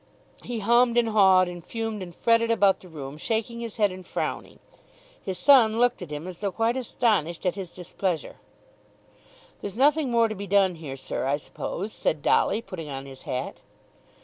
He hummed and hawed, and fumed and fretted about the room, shaking his head and frowning. His son looked at him as though quite astonished at his displeasure. "There's nothing more to be done here, sir, I suppose," said Dolly putting on his hat.